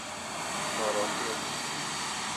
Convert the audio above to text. پارافین